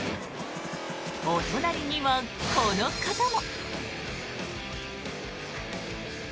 お隣にはこの方も。